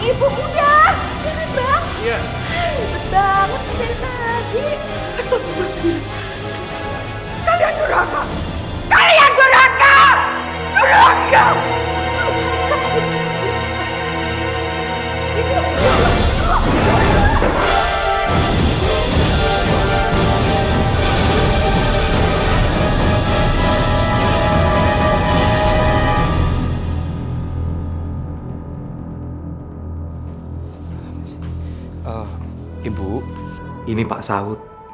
ini pak sahut